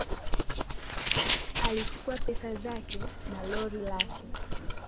Alichukua pesa zake na lori lake